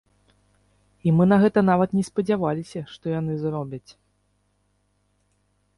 І мы на гэта нават не спадзяваліся, што яны зробяць.